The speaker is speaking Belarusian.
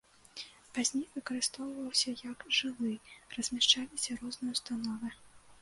Пазней выкарыстоўваўся як жылы, размяшчаліся розныя установы.